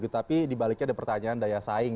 tapi di baliknya ada pertanyaan daya saing